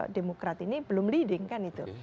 demokrat ini belum leading kan itu